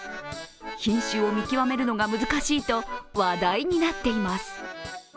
品種を見極めるのが難しいと話題になっています。